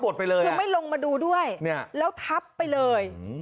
แล้วไม่ลงมาดูด้วยแล้วทับไปเลย